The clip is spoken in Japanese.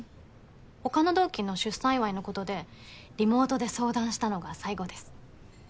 他の同期の出産祝いのことでリモートで相談したのが最後です。